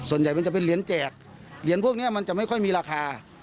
ส่วนใหญ่มันจะเป็นเหรียญแจกเหรียญพวกนี้มันจะไม่ค่อยมีราคา